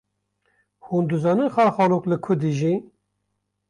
Hûn dizanin xalxalok li ku dijî?